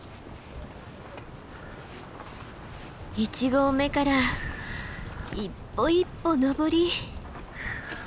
１合目から一歩一歩登り。